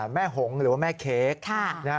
หงหรือว่าแม่เค้ก